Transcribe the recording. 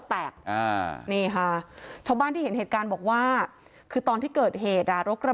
ปกติของคนขับจริงจริงทีบกระจกรถออกมาแล้วก็รอดนะคะ